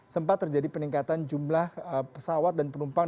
sempat terjadi peningkatan jumlah pesawat dan penumpang